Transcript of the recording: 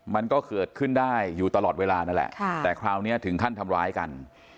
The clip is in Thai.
มันก็เกิดขึ้นได้อยู่ตลอดเวลานั่นแหละแต่คราวนี้ถึงขั้นทำร้ายกัน